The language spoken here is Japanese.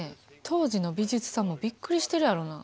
当時の美術さんもびっくりしてるやろな。